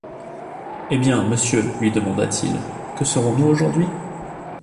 Eh bien, monsieur, lui demanda-t-il, que serons-nous aujourd’hui ?